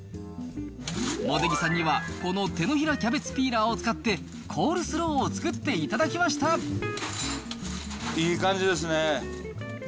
茂出木さんには、この手のひらキャベツピーラーを使って、コールスローを作っていいい感じですね。